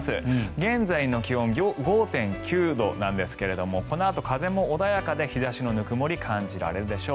現在の気温、５．９度なんですがこのあと風も穏やかで日差しのぬくもりを感じられるでしょう。